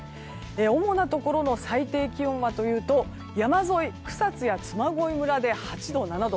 主なところの最低気温はというと山沿い、草津や嬬恋村で８度、７度。